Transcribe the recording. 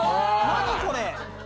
何これ。